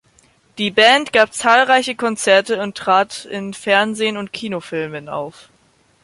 Die Band gab zahlreiche Konzerte und trat in Fernseh- und Kinofilmen auf.